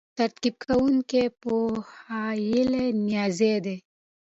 ترتیب کوونکی پوهیالی نیازی دی.